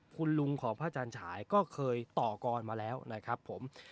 คุณลุงของพระอาจารย์ฉายก็เคยต่อกรมาแล้วนะครับผม